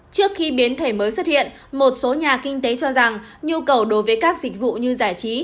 trước khi biến thể mới xuất hiện một số nhà kinh tế cho rằng nhu cầu đối với các dịch vụ như giải trí